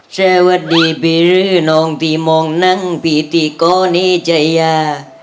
สวัสดีพี่รื้อน้องที่มองนั่งพี่ที่ก้อนิจยา